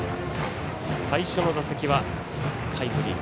最初の打席はタイムリー。